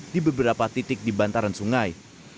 di beberapa titik di bantaran sungai